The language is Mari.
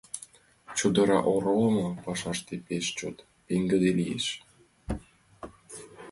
Чодыра оролымо пашаште пеш чот пеҥгыде лиеш.